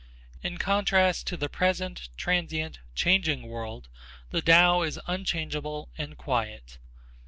In contrast to the present, transient, changing world the Tao is unchangeable and quiet.